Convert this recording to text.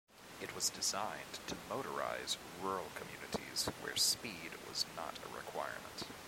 It was designed to motorise rural communities where speed was not a requirement.